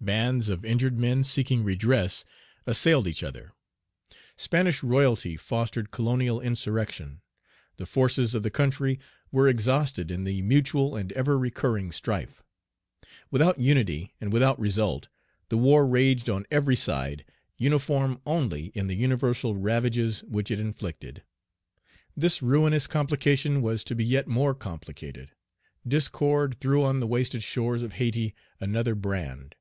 Bands of injured men seeking redress assailed each other. Spanish royalty fostered colonial insurrection. The forces of the country were exhausted in the mutual and ever recurring strife. Without unity, and without result, the war raged on every side, uniform only in the universal ravages which it inflicted. This ruinous complication was to be yet more complicated. Discord threw on the wasted shores of Hayti another brand.